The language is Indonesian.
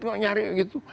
gak nyari gitu